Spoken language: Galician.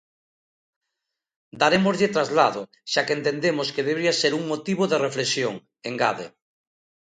Darémoslle traslado, xa que entendemos que debería ser un motivo de reflexión, engade.